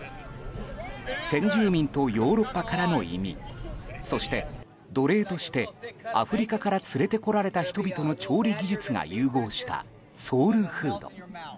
先住民とヨーロッパからの移民そして奴隷としてアフリカから連れてこられた人々の調理技術が融合したソウルフード。